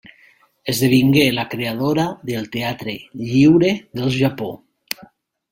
Esdevingué la creadora del Teatre Lliure del Japó.